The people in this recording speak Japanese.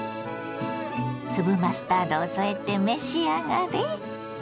粒マスタードを添えて召し上がれ。